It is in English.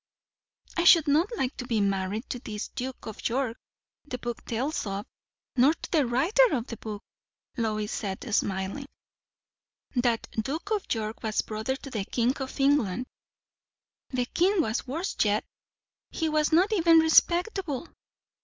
"I should not like to be married to this Duke of York the book tells of; nor to the writer of the book," Lois said, smiling. "That Duke of York was brother to the King of England." "The King was worse yet! He was not even respectable."